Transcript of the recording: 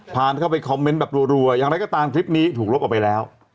เข้าไปคอมเมนต์แบบรัวอย่างไรก็ตามคลิปนี้ถูกลบออกไปแล้ว